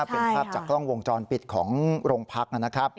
เป็นภาพจากกล้องวงจรปิดของโรงพักนะครับ